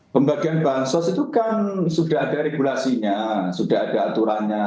pembagian bansos itu kan sudah ada regulasinya sudah ada aturannya